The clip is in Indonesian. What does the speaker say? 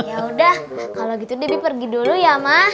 yaudah kalo gitu debbie pergi dulu ya ma